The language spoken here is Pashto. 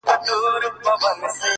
په دې خپه يم چي له نومه چي پېغور غورځي-